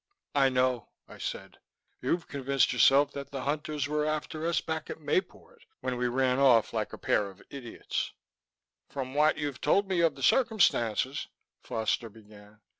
"I know," I said. "You've convinced yourself that the Hunters were after us back at Mayport when we ran off like a pair of idiots." "From what you've told me of the circumstances " Foster began.